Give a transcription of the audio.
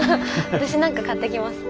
私何か買ってきます。